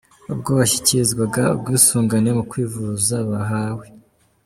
Ubwo bashyikirizwaga ubwisungane mu kwivuza bahawe.